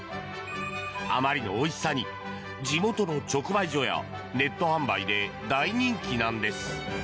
あまりのおいしさに地元の直売所やネット販売で大人気なんです。